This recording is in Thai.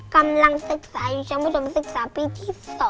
กำลังศึกษาอยู่ชั้นมศึกษาปีที่๒